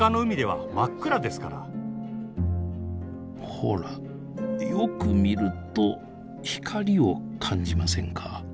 ほらよく見ると光を感じませんか？